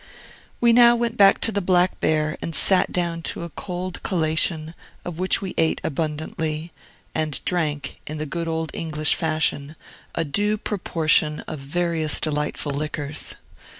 We now went back to the Black Bear, and sat down to a cold collation, of which we ate abundantly, and drank (in the good old English fashion) a due proportion of various delightful liquors.